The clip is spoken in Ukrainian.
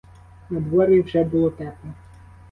Надворі вже було тепло.